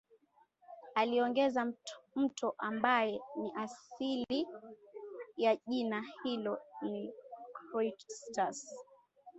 Aliongeza Mtu ambaye ni asili ya jina hilo ni Chrestus